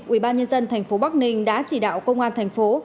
ubnd tp bắc ninh đã chỉ đạo công an thành phố